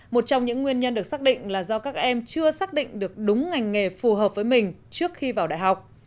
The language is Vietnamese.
một trong những nguyên nhân được xác định là do các em chưa xác định được đúng ngành nghề phù hợp với mình trước khi vào đại học